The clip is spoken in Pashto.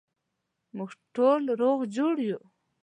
موږ ټوله روغ جوړ یو